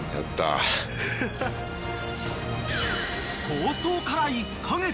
［構想から１カ月］